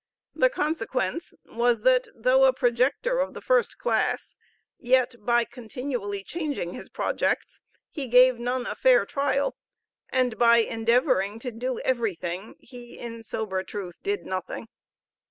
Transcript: The consequence was that though a projector of the first class, yet, by continually changing his projects, he gave none a fair trial; and by endeavoring to do everything, he, in sober truth, did nothing.